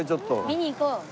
見に行こう！